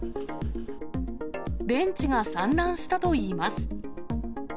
ベンチが散乱したといいます。